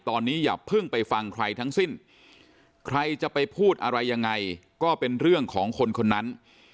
ตอนนี้อย่าเพิ่งไปฟังใครทั้งสิ้นใครจะไปพูดอะไรยังไงก็เป็นเรื่องของคนคนนั้น